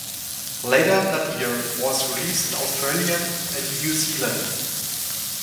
Later that year, it was released in Australia and New Zealand.